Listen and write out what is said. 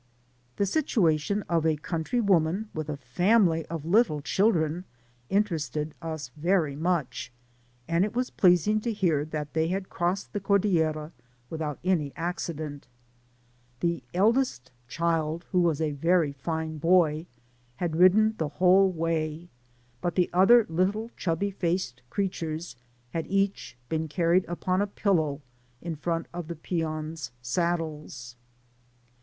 The situation of a country woman with a family of little children interested us very much, and it was pleasing to hear that they had crossed the Cor* dillera without any accident. The eldest child, who was a very fine boy, had ridden the whole way, but the other little chubby faced creatures bad each been carried upon a pillow in front of the peons^ saddles.